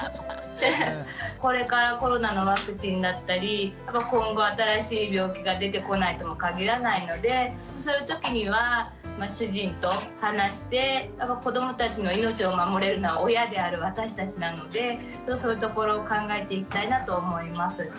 これからコロナのワクチンだったり今後新しい病気が出てこないとも限らないのでそういう時には主人と話してやっぱ子どもたちの命を守れるのは親である私たちなのでそういうところを考えていきたいなと思います。